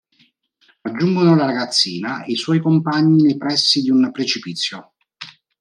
Raggiungono la ragazzina e i suoi compagni nei pressi di un precipizio.